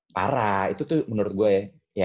parah itu tuh menurut gue ya